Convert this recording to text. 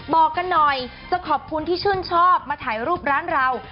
บอกกันหน่อยจะขอบคุณที่ชื่นชอบมาถ่ายรูปร้านเรา